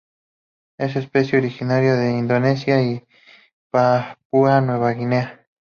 Es especie originaria de Indonesia y Papúa Nueva Guinea.